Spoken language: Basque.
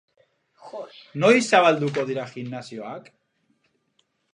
Noiz zabalduko dira gimnasioak?